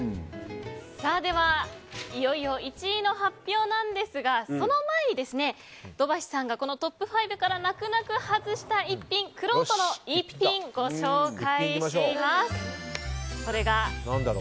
では、いよいよ１位の発表なんですがその前に土橋さんがトップ５から泣く泣く外した逸品くろうとの逸品ご紹介します。